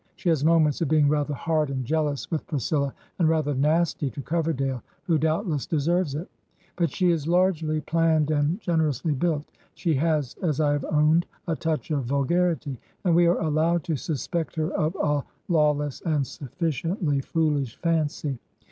She has moments of being rather hard and jealous with Priscilla and rather "nasty" to Coverdale, who doubt less deserves it ; but she is largely planned and gener ously built. She has, as I have owned, a touch of vulgarity, and we are allowed to suspect her of a law less and sufficiently foolish fancy.